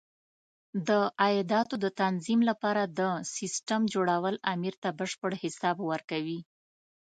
د عایداتو د تنظیم لپاره د سیسټم جوړول امیر ته بشپړ حساب ورکوي.